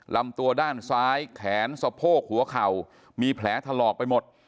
ลำตัวด้านซ้ายแขนสะโพกหัวเข่ามีแผลถลอกไปหมด